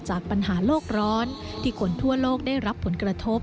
จากปัญหาโลกร้อนที่คนทั่วโลกได้รับผลกระทบ